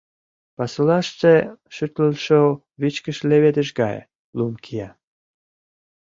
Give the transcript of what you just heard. Пасулаште шӱтлылшӧ вичкыж леведыш гае лум кия.